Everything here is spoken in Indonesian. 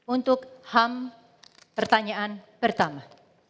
untuk ham pertanyaan pertama